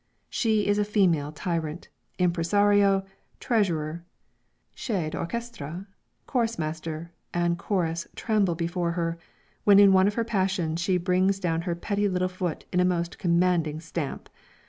She is a female tyrant. Impresario, treasurer, chef (d'orchestre,) chorus master and chorus tremble before her, when in one of her passions she brings down her pretty little foot in a most commanding stamp.